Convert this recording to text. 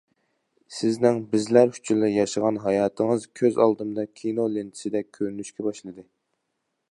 سىزنىڭ بىزلەر ئۈچۈنلا ياشىغان ھاياتىڭىز كۆز ئالدىمدا كىنو لېنتىسىدەك كۆرۈنۈشكە باشلىدى.